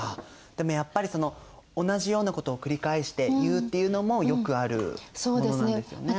でもやっぱりその同じようなことを繰り返して言うっていうのもよくあるものなんですよね。